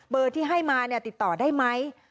ที่ให้มาติดต่อได้ไหม